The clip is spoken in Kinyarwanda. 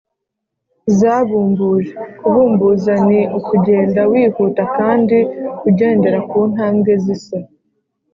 zabumbuje: kubumbuza ni ukugenda wihuta kandi ugendera ku ntambwe zisa